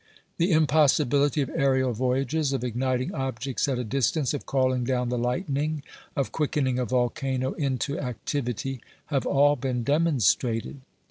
The impossibility of aerial voyages, of igniting objects at a distance, of calling down the lightning, of quickening a volcano into activity, have all been demonstrated.